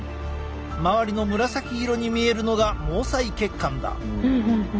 周りの紫色に見えるのが毛細血管だ。